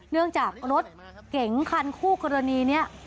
เนื่องจากรถเก๋งคันคู่กรณีนี้